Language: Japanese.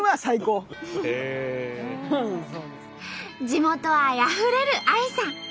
地元愛あふれるＡＩさん。